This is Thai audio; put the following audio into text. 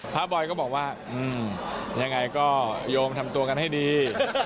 บอยก็บอกว่ายังไงก็โยงทำตัวกันให้ดี